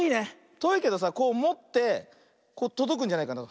とおいけどさこうもってとどくんじゃないかな。